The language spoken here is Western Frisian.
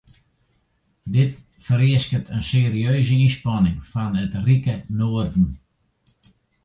Dit fereasket in serieuze ynspanning fan it rike noarden.